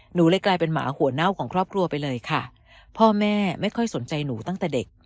หนูเลยกลายเป็นหมาหัวเน่าของครอบครัวไปเลยค่ะพ่อแม่ไม่ค่อยสนใจหนูตั้งแต่เด็ก